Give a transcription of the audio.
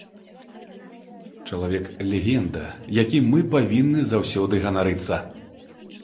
Чалавек-легенда, якім мы павінны заўсёды ганарыцца.